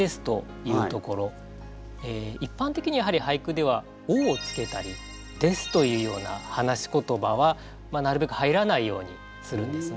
一般的にはやはり俳句では「お」をつけたり「です」というような話し言葉はなるべく入らないようにするんですね。